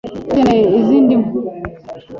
Dukeneye izindi nkwi.